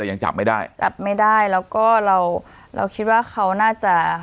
แต่ยังจับไม่ได้จับไม่ได้แล้วก็เราเราคิดว่าเขาน่าจะ